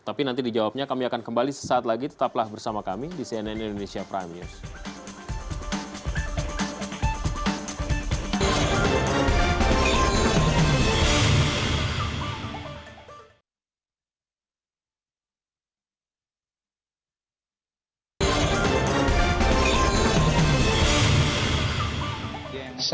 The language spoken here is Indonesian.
tapi nanti dijawabnya kami akan kembali sesaat lagi tetaplah bersama kami di cnn indonesia prime news